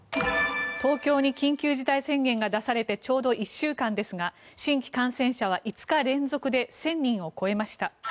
東京に緊急事態宣言が出されてちょうど１週間ですが新規感染者は５日連続で１０００人を超えました。